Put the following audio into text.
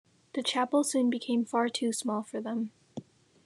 The chapel soon became far too small for them.